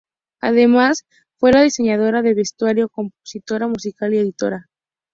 Además fue la diseñadora de vestuario, compositora musical y editora.